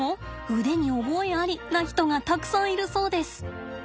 「腕に覚えあり」な人がたくさんいるそうです。